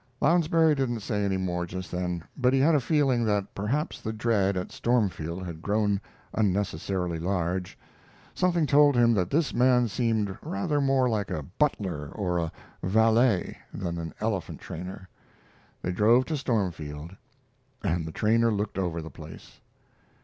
Lounsbury didn't say any more just then, but he had a feeling that perhaps the dread at Stormfield had grown unnecessarily large. Something told him that this man seemed rather more like a butler, or a valet, than an elephant trainer. They drove to Stormfield, and the trainer looked over the place.